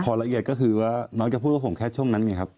ละเอียดก็คือว่าน้องจะพูดกับผมแค่ช่วงนั้นไงครับ